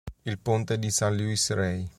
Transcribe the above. Il ponte di San Luis Rey